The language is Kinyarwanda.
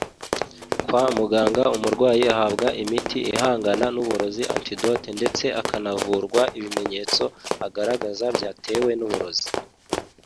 Kwa muganga umurwayi ahabwa imiti ihangana n’uburozi (antidote) ndetse akanavurwa ibimenyetso agaragaza byatewe n’uburozi